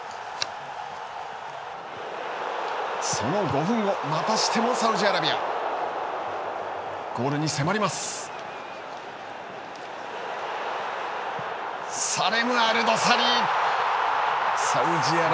その５分後またしてもサウジアラビア。